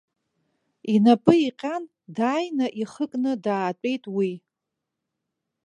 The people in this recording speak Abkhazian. Инапы иҟьан, дааины ихы кны даатәеит уи.